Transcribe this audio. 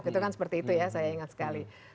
itu kan seperti itu ya saya ingat sekali